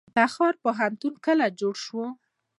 تخار پوهنتون کله جوړ شو؟